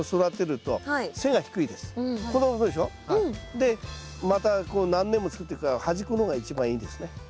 でまた何年も作ってくから端っこの方が一番いいですね。